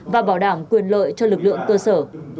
và bảo đảm quyền lợi cho lực lượng cơ sở